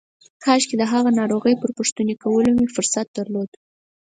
کاشکې د هغه پر ناروغۍ پوښتنې کولو فرصت مې درلود.